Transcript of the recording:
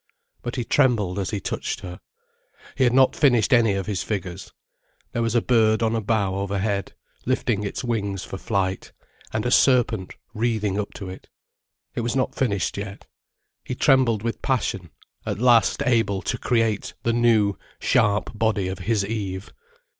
But he trembled as he touched her. He had not finished any of his figures. There was a bird on a bough overhead, lifting its wings for flight, and a serpent wreathing up to it. It was not finished yet. He trembled with passion, at last able to create the new, sharp body of his Eve.